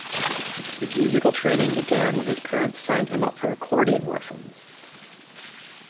His musical training began when his parents signed him up for accordion lessons.